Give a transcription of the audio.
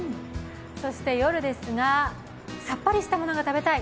そして夜ですが、さっぱりしたものが食べたい。